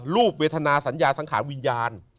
เวทนาสัญญาสังขารวิญญาณ